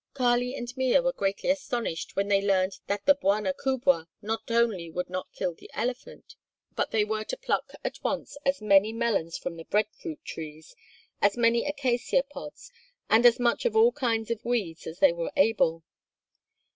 Kali and Mea were greatly astonished when they learned that the Bwana kubwa not only would not kill the elephant, but that they were to pluck at once as many melons from the bread fruit trees, as many acacia pods, and as much of all kinds of weeds as they were able.